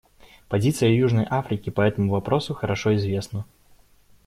Позиция Южной Африки по этому вопросу хорошо известна.